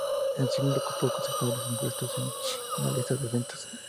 El single ocupó aceptables puestos en las listas de ventas.